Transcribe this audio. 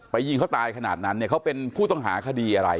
ยิงเขาตายขนาดนั้นเนี่ยเขาเป็นผู้ต้องหาคดีอะไร